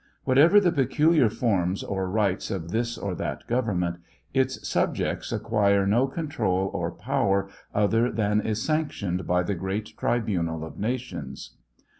What ever the peculiar forms or rights of this or that government, its subjects acquire no control or power other than is sanctioned by the great tribunal of nations.